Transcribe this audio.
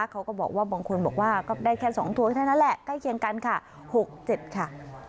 เขาก็บอกว่าบางคนบอกว่าก็ได้แค่๒ตัวเท่านั้นแหละใกล้เคียงกันค่ะ๖๗ค่ะ